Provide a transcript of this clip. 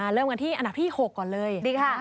เริ่มกันที่อันดับที่๖ก่อนเลยดีค่ะ